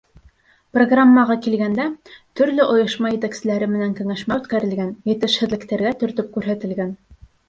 Программаға килгәндә, төрлө ойошма етәкселәре менән кәңәшмә үткәрелгән, етешһеҙлектәргә төртөп күрһәтелгән.